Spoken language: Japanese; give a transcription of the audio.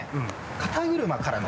肩車からの？